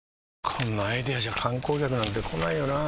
こんなアイデアじゃ観光客なんて来ないよなあ